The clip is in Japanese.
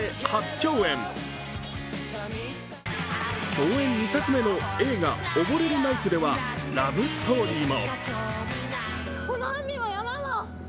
共演２作目の映画「溺れるナイフ」ではラブストーリーも。